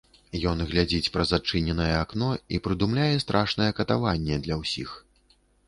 Ён глядзіць праз адчыненае акно і прыдумляе страшнае катаванне для ўсіх.